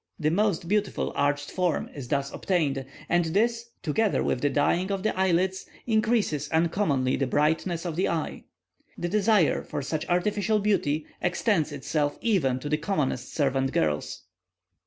The most beautiful arched form is thus obtained, and this, together with the dyeing of the eyelids, increases uncommonly the brightness of the eye. The desire for such artificial beauty extends itself even to the commonest servant girls.